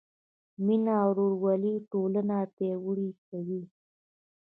مینه او ورورولي ټولنه پیاوړې کوي.